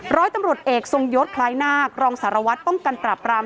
ร้อยตำรวจเอกทรงยศคล้ายนาครองสารวัตรป้องกันปราบราม